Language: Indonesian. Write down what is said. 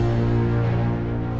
pada saat itu